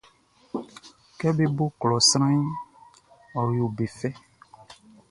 Kɛ be klo sranʼn, ɔ yo be fɛ.